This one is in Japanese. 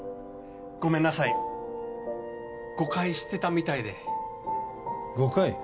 ごめんなさい誤解してたみたいで誤解？